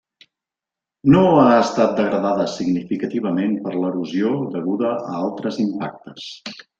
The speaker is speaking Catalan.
No ha estat degradada significativament per l'erosió deguda a altres impactes.